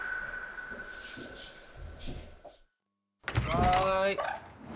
はい。